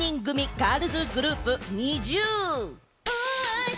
ガールズグループ・ＮｉｚｉＵ。